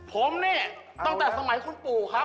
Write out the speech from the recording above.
ผมเนี่ยตั้งแต่สมัยคุณปู่ครับ